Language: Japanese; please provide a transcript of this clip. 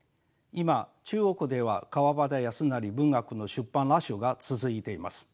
今中国では川端康成文学の出版ラッシュが続いています。